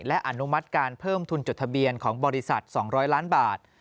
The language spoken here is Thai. และอนุมัติการเพิ่มทุนจดทะเบียนของบริษัท๒๐๐ล้านบาท